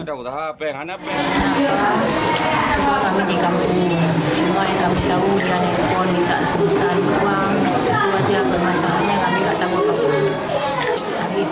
semua yang kami tahu yang dikoneksi yang dikakuskan uang itu aja permasalahannya kami gak tahu apapun